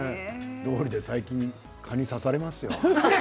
どうりで最近蚊に刺されますよ。